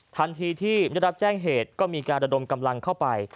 ทันทีที่ได้รับแจ้งเหตุก็มีการระดมกำลังเข้าไป